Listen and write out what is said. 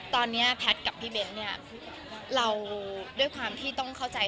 ตอนนี้แพทย์กับพี่เบ้นเนี่ยเราด้วยความที่ต้องเข้าใจ